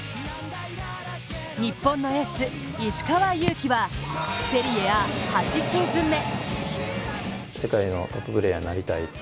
日本のエース・石川祐希はセリエＡ８シーズン目。